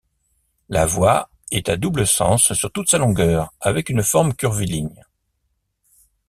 La voie est a double sens sur toute sa longueur avec une forme curviligne.